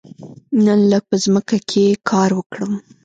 نن لږ په ځمکه کې کار وکړم.